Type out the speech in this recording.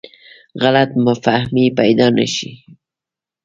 غلط فهمۍ پیدا نه شي.